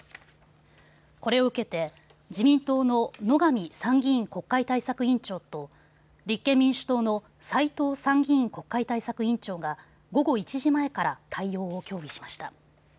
これを受けて自民党の野上参議院国会対策委員長と立憲民主党の斎藤参議院国会対策委員長が午後１時前から対応を協議しました。